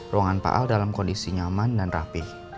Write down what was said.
ruangan pak al dalam kondisi nyaman dan rapih